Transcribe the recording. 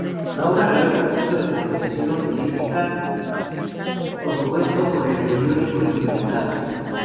La obra ganó el concurso de composición operística propuesto por el periódico El Universal.